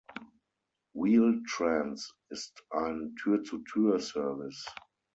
Wheel-Trans ist ein Tür-zu-Tür-Service.